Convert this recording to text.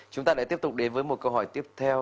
chúng ta lại tiếp tục đến với một câu hỏi tiếp theo